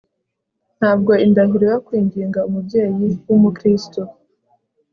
Ntabwo indahiro yo kwinginga umubyeyi wumukristu